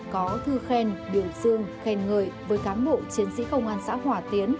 có thư khen biểu dương khen ngợi với cán bộ chiến sĩ công an xã hòa tiến